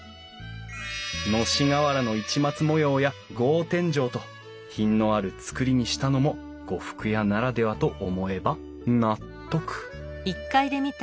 のし瓦の市松模様や格天井と品のある造りにしたのも呉服屋ならではと思えば納得